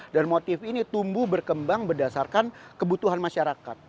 dan motif ini tumbuh berkembang berdasarkan kebutuhan masyarakat